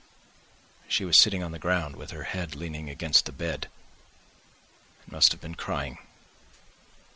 She was sitting on the ground with her head leaning against the bed, and must have been crying.